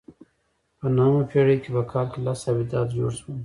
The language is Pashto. په نهمه پېړۍ کې په کال کې لس آبدات جوړ شول